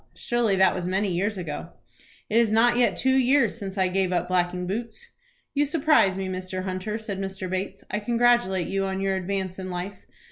"Surely that was many years ago?" "It is not yet two years since I gave up blacking boots." "You surprise me Mr. Hunter," said Mr. Bates "I congratulate you on your advance in life.